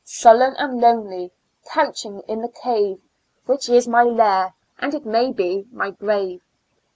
Sullen and lonely, couching in the cave. Which is my lair, and it may be — my grave.